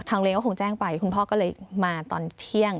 เลก็คงแจ้งไปคุณพ่อก็เลยมาตอนเที่ยง